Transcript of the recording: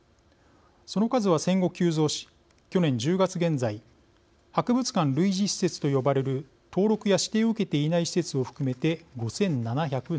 その数は戦後、急増し去年１０月現在博物館類似施設と呼ばれる登録や指定を受けていない施設を含めて５７７１。